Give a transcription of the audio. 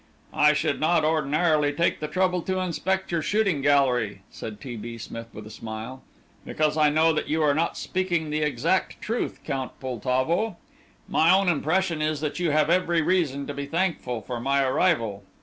"I should not, ordinarily, take the trouble to inspect your shooting gallery," said T. B. Smith with a smile, "because I know that you are not speaking the exact truth, Count Poltavo. My own impression is that you have every reason to be thankful for my arrival.